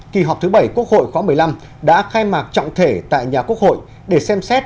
kỳ họp thứ bảy quốc hội khóa một mươi năm đã khai mạc trọng thể tại nhà quốc hội để xem xét